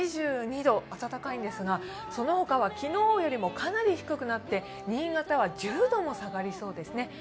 ２２度、暖かいんですがそのほかは昨日よりもかなり低くなって新潟は１０度も下がりそうですね。